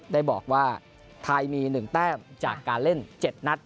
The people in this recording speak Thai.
ได้บอกว่าไทยมี๑แต้มจากการเล่น๗นัด